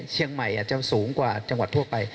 เชียงใหม่อาจจะสูงกว่าจังหวัดทั่วไป